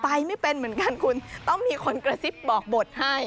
ไปไม่เป็นเหมือนกันคุณต้องมีคนกระซิบบอกบทให้